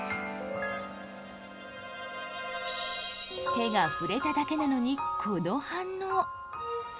手が触れただけなのにこの反応。